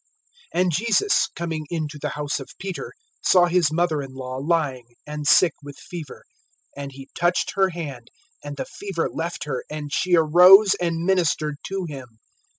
(14)And Jesus, coming into the house of Peter, saw his mother in law lying, and sick with fever. (15)And he touched her hand, and the fever left her; and she arose, and ministered to him.